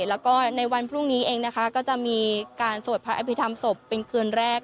แล้วก็ในวันพรุ่งนี้เองนะคะก็จะมีการสวดพระอภิษฐรรมศพเป็นคืนแรก